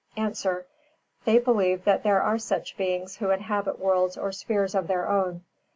_ A. They believe that there are such beings who inhabit worlds or spheres of their own.